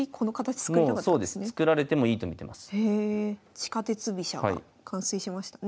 地下鉄飛車が完成しましたね。